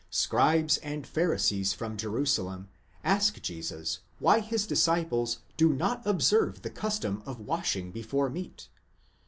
scribes and Pharisees from Jerusalem ask Jesus why his disciples do not observe the custom of washing before meat?